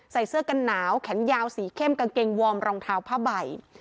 เสื้อกันหนาวแขนยาวสีเข้มกางเกงวอร์มรองเท้าผ้าใบ